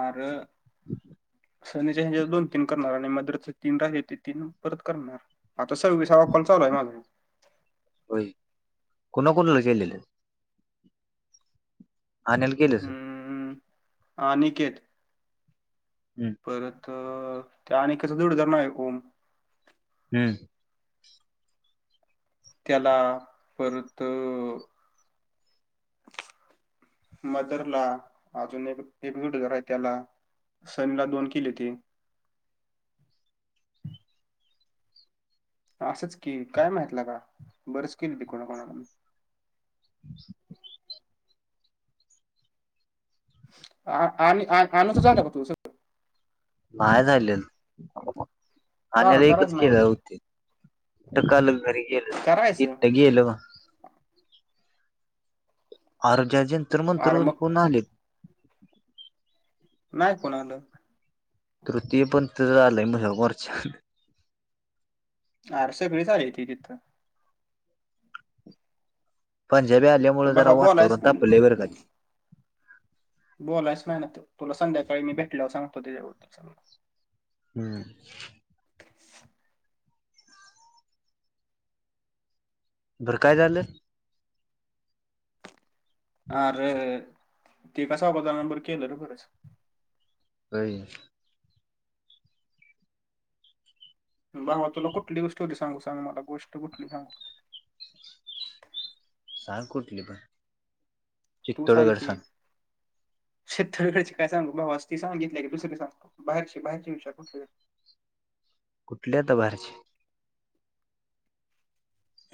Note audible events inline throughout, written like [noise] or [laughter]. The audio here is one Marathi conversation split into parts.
आर सनीच्या ह्याच्यात दोन- तीन करणार आणि मदरचे तीन राहिल्यात ते तीन परत करणार. आता सव्वीसावा कॉल चालू हाय माझा. होय. कुणा कुणाला केलेल? अन्या- अं अनिकेत. हं. परत त्या अनिकेतचा जोडीदार ना ए ओम. हम्म. त्याला परत- मदर ला अजून एक एक वूट घर आहे त्याला. सनीला दोन केलीत. असच की. काय माहीत लेका. बरेच केलते कोणा कोणाला. ह आ आ आणि आनूचं झाल का [unintelligible] नाय झालेल. का आन्याला एकच करायचं [unintelligible] नाही होते ते कालच घरी गेलेत. करायचं [unintelligible] आर, ज्या जनतर अरे मंतरवर मग कोण आलय? नाही कोण आलं. तृतीयपंथी आलंय म्हणे वरच्या- आर सि बी च आली ती तिथ. पंजाबी पण आल्यामुळे जरा भावा वातावरण बोलायचं तापलंय बर का ते. बोलायच नाही ना तू. तुला संध्याकाळी मी भेटल्यावर सांगतो त्याच्याबद्दल सगळ. हम्म. बर काय झालं? आर! ते कसं [unintelligible] केलं रे बरंच. व्हय. भावा तुला कुठली गोष्ट होती सांगू? सांग मला गोष्ट कुठली सांगू? सांग कुठली पण. तू सांग की. शेतरीकडची काय सांगू? भावा ती सांगितली की. [unintelligible] बाहेरची बाहेरची विषय कुठे. कुठली आता बाहेरची?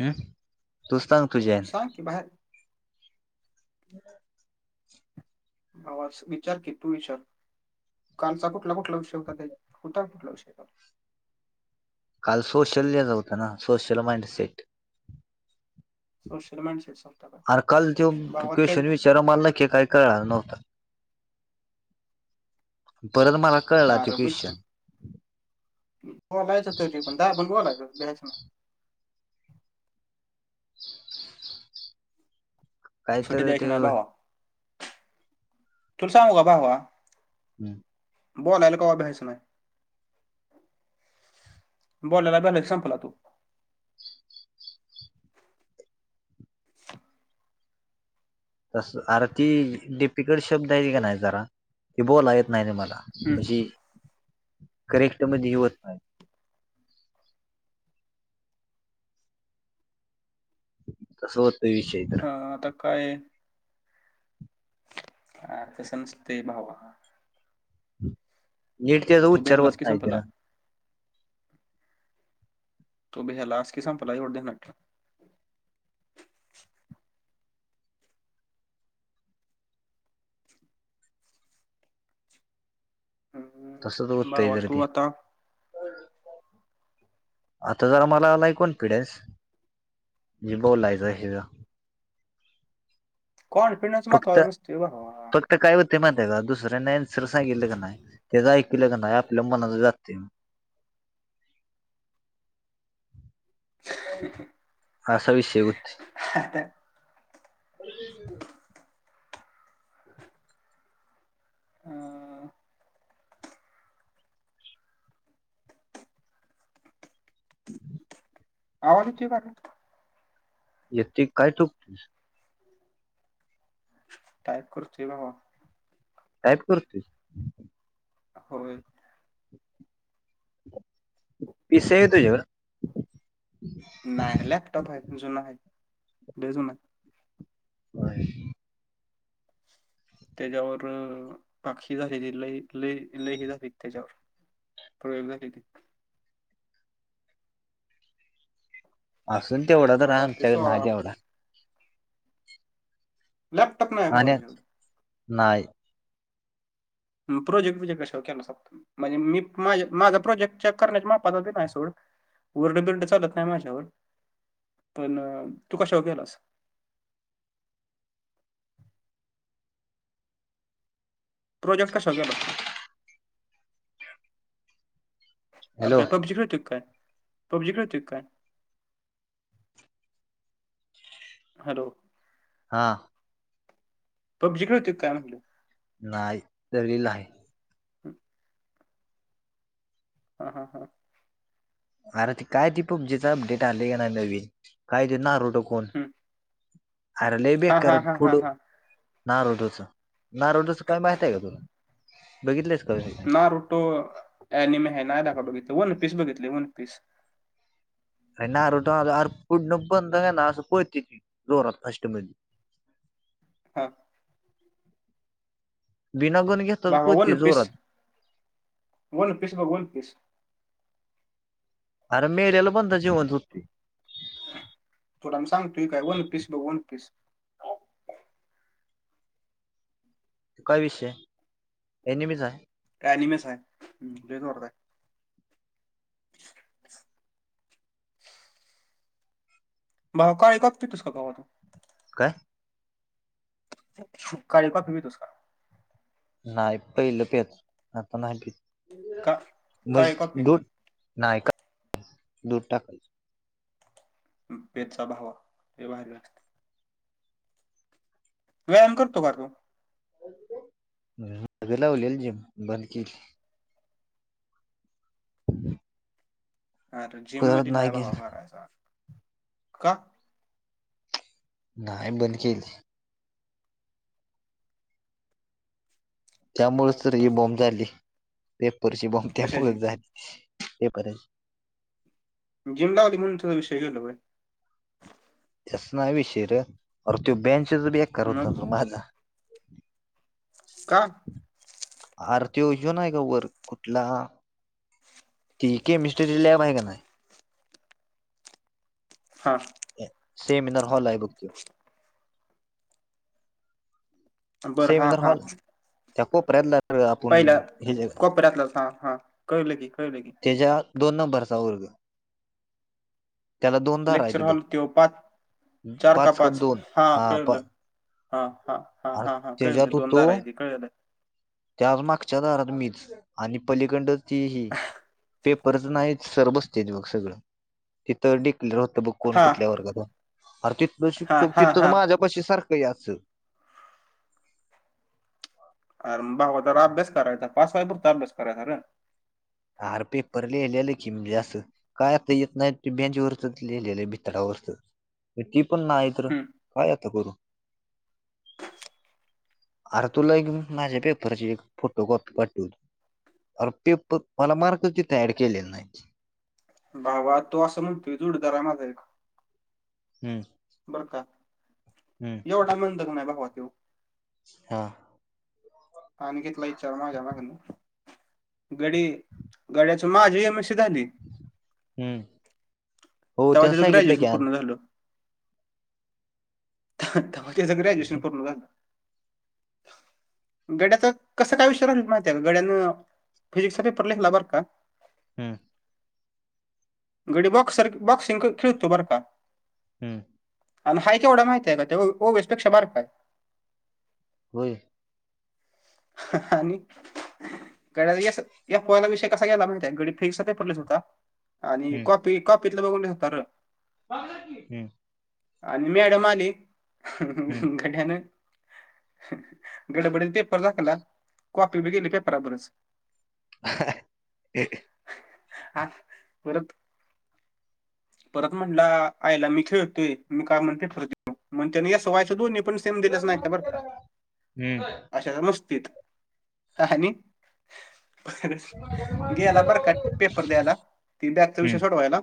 हं. तू सांग तुझ्या- ह्यानं सांग की बाहेर- हम् भावाज विचार की तू विचार. कालचा कुठला कुठला विषय होता काही? होता कुठला विषय काल? काल सोशल [unintelligible] होतं ना? Social mindset. Social mind set [unintelligible] का? भावा ते - तर मला नक्कीे काही कळालं नव्हतं. परत मला कळला ते अरे विचार क्वेश्चन. बोलायचं तरी पण. दाबून बोलायच भ्यायच नाही. काय सुटी तर द्यायची ते ना भावा. तुला सांगू का भावा? हं. बोलायला कवा भ्यायचं नाही. बोलायला भ्याला संम्पला तू. तस अरे ती डिफिकल्ट शब्द आहे ती नाही का जरा. ती बोलाय येत नाही र मला. हम्म. अशी करेक्ट म्हणजे हे होत नाही. तसा होतोय विषय. तर आं आता काय? तसं नसतंय भावा नीट तेच तू उच्चार भेलास होत की नाही संपला कीर. तू भेलास की संपला एवढ ध्यानात ठेव. हम्म. तसच होतय भावा तू गर्दी आता आता जरा मला आलाय कॉन्फिडन्स जे बोलायचय हेचा. कॉन्फिडन्स फक्त महत्वाचा नसतोय भावा. फक्त काय होते माहिती आहे का दुसऱ्यांन आंसर सागितल का नाही. तेच ऐकलं का नाही आपल्या मनात जाते. [inaudible] आशा विषय होते. [inaudible] [unintelligible] अं, [inaudible] आवाज येतोय [unintelligible] यती काय [unintelligible] काय करतोय भावा? टाईप करतोय. [unintelligible] पिसे आहे तुझ्याकडं? नाही लॅपटॉप आहे पण जुना आहे लय जुना आहे. [unintelligible] त्याच्यावर पाक्षी झालेली आहे लई लई लई हे झालेत त्याच्यावर [unintelligible] असून तेवढा तर मला वाटते आमच्या सोळा नाग एवढा. लॅपटॉप नाही भावा आणि तुझ्याकड नाही प्रोजेक्ट बीजेक्ट कशावर केला सा? म्हणजे मी माझ माझा प्रोजेक्ट चेक करण्याच्या मापातच म्या सोड. वर्ड बिर्ड चालत नाही माझ्यावर पण तू कशावर केलास? प्रोजेक्ट कशा केलास तूआ? अर हॅलो काय पब्जी खेळतोय काय? पब्जी खेळतोय काय? हॅलो हा पब्जी खेळतोय काय म्हणलं. नाही ते रील आहे. [inaudible] हा हा हा अरे ती काय ती पब्जीच अपडेट आले का नाही नवीन काय ते ना रोड कून हम्म. अर ले हा बेकार हा हा हा पुड हा नारोडोचं नारोडोचं काही माहित आहे का तुला बघितलंच का? काय नारोटो ऍनिमी आहे ना लेका बघितलं वन पीस बघितलय वन पीस. काय नारोटो आर पुढन बंद आहे ना असं पळते ती जोरात फास्ट मधी. हा बिना गण घे बाबा वन पीस वन पीस बघ वन पीस. आणि मेलेलं कोणतं जिवंत होते? थोडा सांगतोय काय वन पीस बघ, वन पीस. काय विषय [inaudible] हे नेहमीच आहे. [unintelligible] भाव काय बघतोयस का भावा? काय? तु काळी पात नेतोस का? नाही पहिलं पेत. आता नाही पित. का म्हज काळी कॉपी दू नाही का [inaudible] दूध टाकून. पेतजा भावा लय भारी लागते. व्यायाम करतो का रे तू? [inaudible] लावलेली जीम बंद केली. आरं जिम परत मध्ये नाही भावा गेलं मारायचा. का? नाय बंद केली. त्यामुळेच तरच हे बॉम्ब झाली. पेपरची बॉम्ब त्यामुळेच कशाची झाली. पेपरची जिम लावली, म्हणून तुझा विषय गेलाय व्हयं. तस नाय विषय रं. अरे तो बेंचस बेक्कार मग होता माझा. [inaudible] काय आरं तो ह्यो नाही का वर? कुठला ती केमिस्टी ची लॅब आहे का नाही. हा सेमिनार हॉल आहे बघतो. बर हा सेमिनार हा हॉल. [inaudible] त्या कोपऱ्यातला आपण पहिला हे ज कोपऱ्यातलाच हा हा कळलं की कळलं की [inaudible] त्याच्या दोन नंबरचा वर्ग. त्याला दोन दार आहे लेक्चर ते बघ हॉल त्यो पाच. चार का पाच? हा कळलं. हा हा हा हा हा कळलं, दोन दार आहे ते कळलं. त्या मागच्या दारात मीच. आणि पलीकडंन तीही पेपरच नाही सर बसते बघ सगळं. तिथ डिक्लेअर होतं बघ कोण हा कुठल्या वर्गांत अरं तिथंन हा शिक्षक, हा तिथंच हा माझ्यापाशी सारखं यायचं. अर भावा जरा अभ्यास करायचा. पास व्हाया पुरता अभ्यास करायचा रं. आरं पेपर लिहिलेलं की मी जास्त. पाहता येत नाही. बँंच वरच लिहिले भितडा वरचं ती पण नाही, तर हम्म. काय आता करू? [inaudible] अरे तुला एक माझ्या पेपरची एक फोटो कॉपी पाठवतो. अरे पेपर, मला मार्क किती ऍड केलेले नाहीत. भावा तो असं म्हणतोय जोडीदार आहे माझा एक हम्म. बरं का. हम्म. एवढा मंद हे ना भावा तो. हा. आन् मीच [unintelligible] माझ्या मागनं गडी, गड्याची माझी एन ओ सी झाली. हम हो तेव्हा त्यांना त्याचं सांगितलं ग्रॅज्युएशन की आण पूर्ण झालं आता माझं तर काय ग्रॅज्युएशन पूर्ण झालं गड्याचा कसा काय विषय राहिलत माहिती हाय काय गड्यानं फिजिक्सचा पेपर लिहीला बरं का हम्म गडी बॉक्सर बॉक्सिंग कर. खेळतो बरं का. हम् आणि हाय केवढा माहती आहे का त्यो ओवेसपेक्षा बारकाय. होय. हं हं आणि गडी एफ एफ वायला विषय कसा गेला माहिताय गडी फिनिक्सचा पेपर लिहीत होता. आणि हम्म कॉपी कॉपीतलं बघून लिहिलता र हम्म. आणि मॅडम आलि हं हं हम्म हं गड्यानं. अह ह ह गडबडीचे पेपर झापला कॉफी बी गेली पेपरा बरोबरच. [unintelligible] अहं हं हा परत. परत म्हणला आयला मी खेळतोय मी काय म्हणून पेपर दिलो म्हणतोय मी एफ वायची दोन्ही पण. सेम दिलंच नाहीतं बर का. हम्म कशाच्या मस्तीत आणि. प हं रत हम्म. गेला बरं का पेपर द्यायला ती बॅकचं विषय सोडवायला.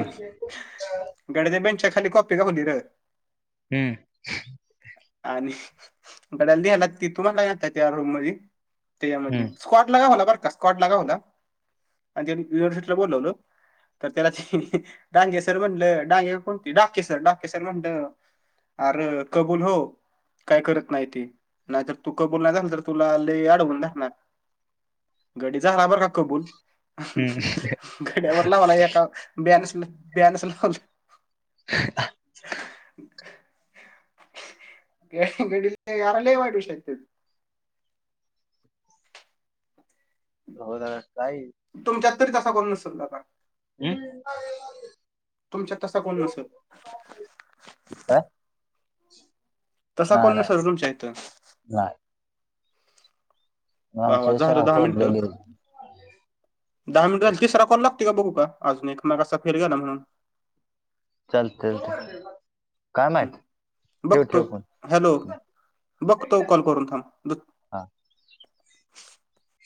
हम् ह गड्याच्या बेंचच्या खाली कॉपी घावली र हम्म. आणि अहं ह ह गड्या लीहाला तिथं होता ना त्या रूम मध्ये. ते यामध्ये स्काॅडला घातला बरं का स्काॅडला घावला आणि त्यांनी युनिव्हर्सिटीला बोलावल तर त्याला शि हीं हीं डांगेसर म्हणलं डांगे कोण ती डाकेसर डाकेसर म्हणलं. आरे कबूल हो. काय करत नाही ते नाय तु कबुल नाही झालं तर तुला लई अडवून धरणार. गडीचा झाला बर का कबूल. अहं अहं हम्म. हं गड्यावर लावला एका बॅन्स बॅन्स लावला. [unintelligible] या हं घडीला यार लय वाढू शकतं होय लगा काय हे तुमच्यात तरी तसा कोन नसल दादा काय तुमच्यात तसा कोण नसल आ. तसा कोण नसल तुमच्या इथं जा. दादा आमच्या झालं शाळा दहा मिनटं. सोडलेली दहा मिनिट झाली तिसरा कॉल लागतोय का बघू का अजून एक मघाचा फेल गेला ना चालतय चालतय ह बघतो फोन हॅलो बघतो कॉल करून थांब बघ हा